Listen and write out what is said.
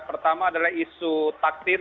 pertama adalah isu taktis